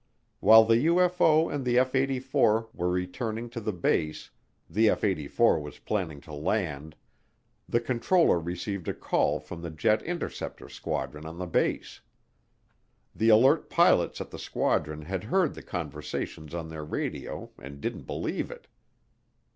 While the UFO and the F 84 were returning to the base the F 84 was planning to land the controller received a call from the jet interceptor squadron on the base. The alert pilots at the squadron had heard the conversations on their radio and didn't believe it.